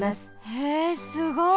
へえすごい！